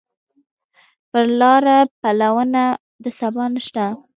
پر لاره پلونه د سبا نشته